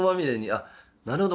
あっなるほど。